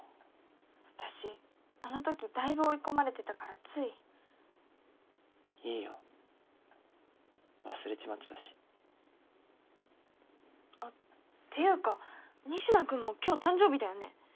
私あのときだいぶ追い込まれてたからついいいよ忘れちまってたしあっていうか仁科君も今日誕生日だよね